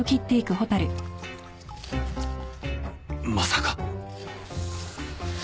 まさか